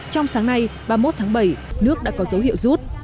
trong sáng nay ba mươi một tháng bảy nước đã có dấu hiệu rút